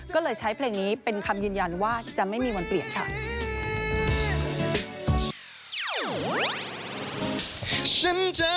ก็เลยใช้เพลงนี้เป็นคำยืนยันว่าจะไม่มีวันเปลี่ยนค่ะ